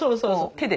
手で？